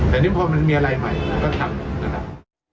แต่นี่พอมันมีอะไรใหม่เราก็ทำนะครับ